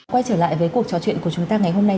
quay trở lại với cuộc trò chuyện của chúng ta ngày hôm nay